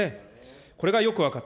これがよく分かった。